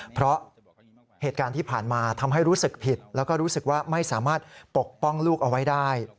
เพราะเหตุการณ์ที่ผ่านมาทำให้รู้สึกผิดแล้วก็รู้สึกว่าไม่สามารถปกป้องลูกเอาไว้ได้